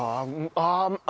ああ。